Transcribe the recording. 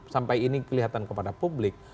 sampai ini kelihatan kepada publik